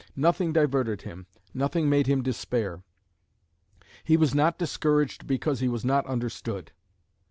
Nothing diverted him, nothing made him despair. He was not discouraged because he was not understood.